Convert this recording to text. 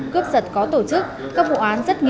cướp giật có thể đảm bảo giữ vững an ninh chính trị